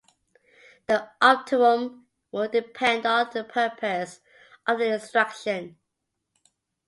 The optimum will depend on the purpose of the extraction.